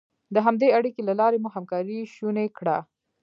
د همدې اړیکې له لارې مو همکاري شونې کړه.